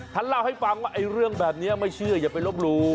ท่านเล่าให้ฟังว่าเรื่องแบบนี้ไม่เชื่ออย่าไปลบหลู่